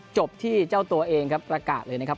จบที่เจ้าตัวเองครับประกาศเลยนะครับ